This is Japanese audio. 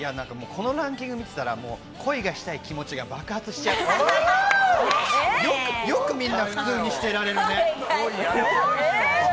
このランキング見てたら、恋がしたい気持ちが爆発しちゃって、よくみんな、普通にしてられるね。